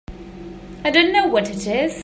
I don't know what it is.